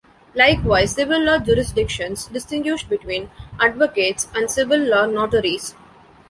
Likewise, civil law jurisdictions distinguish between advocates and civil law notaries.